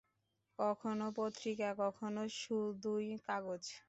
কখনো পত্রিকা, কখনো শুধুই কাগজ।